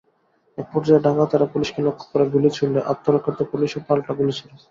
একপর্যায়ে ডাকাতেরা পুলিশকে লক্ষ্য করে গুলি ছুড়লে আত্মরক্ষার্থে পুলিশও পাল্টা গুলি ছোড়ে।